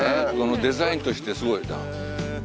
デザインとしてすごいな。